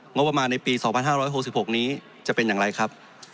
งบประมาณในปี๒๕๖๖นี้จะเป็นอย่างไรครับ